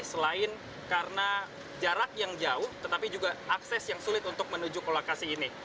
selain karena jarak yang jauh tetapi juga akses yang sulit untuk menuju ke lokasi ini